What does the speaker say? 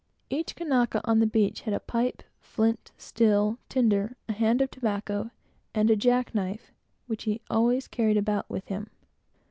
Each Kanaka on the beach had a pipe, flint, steel, tinder, a hand of tobacco, and a jack knife, which he always carried about with him.